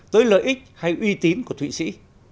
tới lợi ích hay uy tín của thụy sĩ